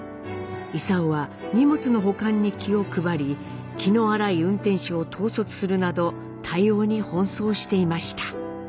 勲は荷物の保管に気を配り気の荒い運転手を統率するなど対応に奔走していました。